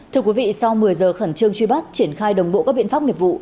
thưa quý vị sau một mươi giờ khẩn trương truy bắt triển khai đồng bộ các biện pháp nghiệp vụ